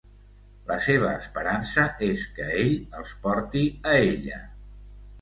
La seva esperança és que ell els porti a ella.